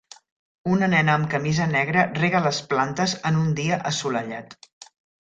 Una nena amb camisa negra rega les plantes en un dia assolellat